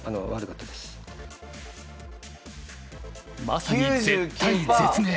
まさに絶対絶命！